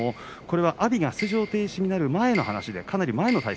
これは阿炎が出場停止になる前の話です。